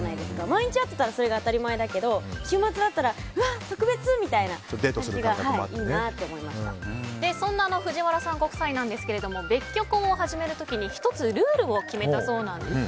毎日会ってたら当たり前だけど週末会ったら特別！みたいな感じがそんな藤原さんご夫妻ですけど別居婚を始める時に１つ、ルールを決めたそうです。